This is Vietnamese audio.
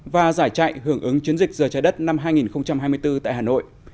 và giải chạy hưởng ứng chiến dịch giờ trái đất năm hai nghìn hai mươi bốn tại hà nội